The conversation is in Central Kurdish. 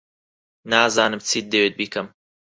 نازانم چیت دەوێت بیکەم.